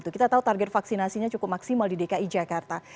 kita tahu target vaksinasinya cukup maksimal di dki jakarta